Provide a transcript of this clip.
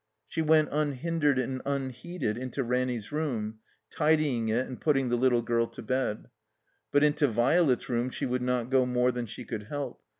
She went unhindered and unheeded into Ranny's room, tid3ring it and putting the little girl to bed. But into Violet's room she would not go more than she could help.